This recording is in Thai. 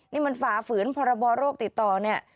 นี่มันฝ่าฝืนพรบโรคติดต่อเนี่ย